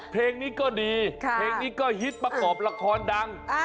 เพลงนี้ก็ดีเพลงนี้ก็ฮิตประกอบละครดัง